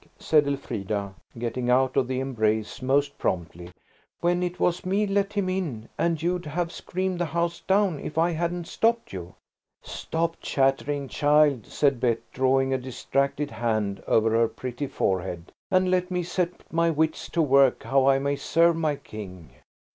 said Elfrida getting out of the embrace most promptly, "when it was me let him in, and you'd have screamed the house down, if I hadn't stopped you–" "Stop chattering, child," said Bet, drawing a distracted hand over her pretty forehead, "and let me set my wits to work how I may serve my King."